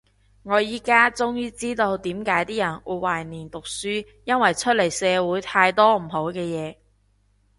我依家終於知道點解啲人會懷念讀書，因為出嚟社會太多唔好嘅嘢